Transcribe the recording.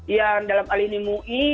yang dalam alimu'i